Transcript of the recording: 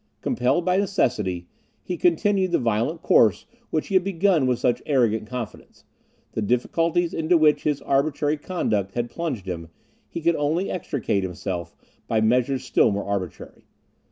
Compelled by necessity, he continued the violent course which he had begun with such arrogant confidence; the difficulties into which his arbitrary conduct had plunged him, he could only extricate himself from by measures still more arbitrary.